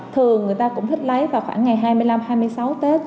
thường người ta cũng thích lấy vào khoảng ngày hai mươi năm hai mươi sáu tết